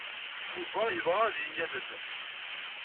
Yuba yella yebɣa ad iyi-yalel.